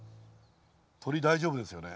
鳥大丈夫ですよね？